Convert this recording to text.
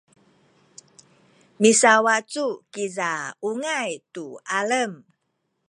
misawacu kiza ungay tu alem